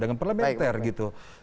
dengar parlementer gitu